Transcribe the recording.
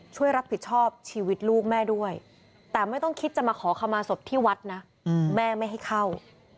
ช่วยรับผิดชอบชีวิตลูกแม่ด้วยแต่ไม่ต้องคิดจะมาขอขมาศพที่วัดนะแม่ไม่ให้เข้า